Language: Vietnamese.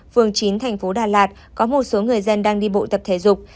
vườn chín tp đà lạt có một số người dân đang đi bộ tập thể dục